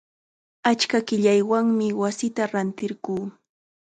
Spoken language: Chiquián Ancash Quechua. Achka qillaywanmi wasita rantirquu.